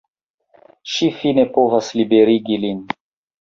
Ŝi fine povas liberigi lin.